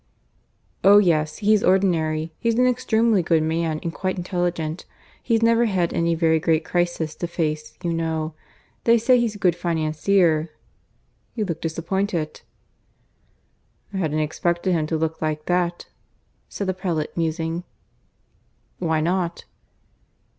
"Oh yes, he's ordinary. He's an extremely good man and quite intelligent. He's never had any very great crisis to face, you know. They say he's a good financier. ... You look disappointed." "I hadn't expected him to look like that," said the prelate, musing. "Why not?"